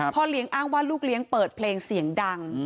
พ่อเลี้ยงอ้างว่าลูกเลี้ยงเปิดเพลงเสียงดัง